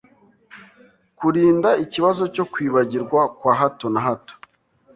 Kurinda ikibazo cyo kwibagirwa kwa hato na hato